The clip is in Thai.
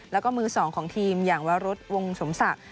แล้วก็มือ๒ของทีมอย่างวารุธวงสมศักดิ์